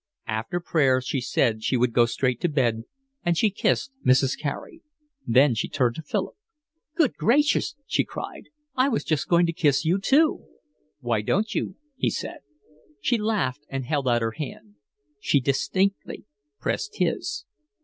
After prayers she said she would go straight to bed, and she kissed Mrs. Carey. Then she turned to Philip. "Good gracious!" she cried. "I was just going to kiss you too." "Why don't you?" he said. She laughed and held out her hand. She distinctly pressed his.